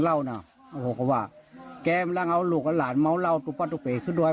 เล่าเนาะโหกบอกว่าแกมันล่างเอาลูกกับหลานเมาเล่าตุ๊กป๊อดตุ๊กเป็นขึ้นด้วย